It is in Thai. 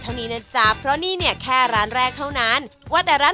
นี้นะจ๊ะเพราะนี่เนี่ยแค่ร้านแรกเท่านั้นว่าแต่ร้าน